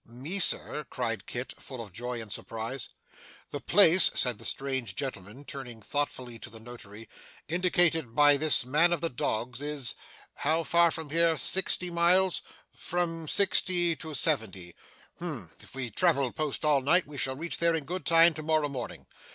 'Me, Sir?' cried Kit, full of joy and surprise. 'The place,' said the strange gentleman, turning thoughtfully to the Notary, 'indicated by this man of the dogs, is how far from here sixty miles?' 'From sixty to seventy.' 'Humph! If we travel post all night, we shall reach there in good time to morrow morning.